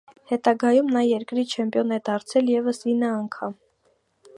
Հետագայում նա երկրի չեմպիոն է դարձել ևս ինը անգամ։